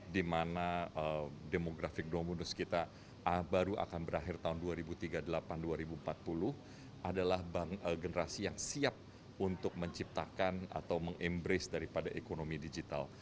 di mana demografik domudus kita baru akan berakhir tahun dua ribu tiga puluh delapan dua ribu empat puluh adalah generasi yang siap untuk menciptakan atau meng embrace daripada ekonomi digital